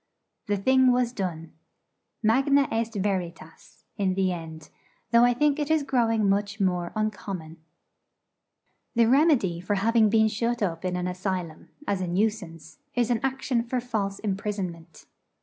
The thing was done. Magna est veritas, in the end: though I think it is growing much more uncommon. The remedy for having been shut up in an asylum, as a nuisance, is an action for false imprisonment.